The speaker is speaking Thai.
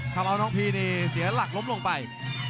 ทำเอาน้องพี่สิระหลักล้มลงไป